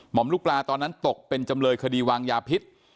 มลูกปลาตอนนั้นตกเป็นจำเลยคดีวางยาพิษ